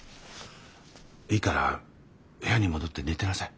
いいから部屋に戻って寝てなさい。